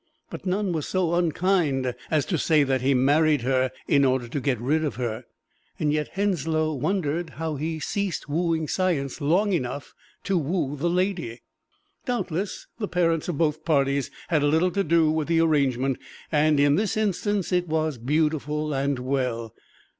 But none was so unkind as to say that he married her in order to get rid of her, yet Henslow wondered how he ceased wooing science long enough to woo the lady. Doubtless the parents of both parties had a little to do with the arrangement, and in this instance it was beautiful and well.